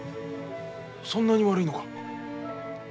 そんなに悪いのか？